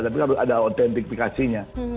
tapi harus ada autentifikasinya